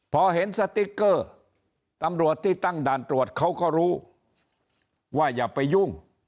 พอเห็นสติ๊กเกอร์ตำรวจที่ตั้งด่านตรวจเขาก็รู้ว่าอย่าไปยุ่ง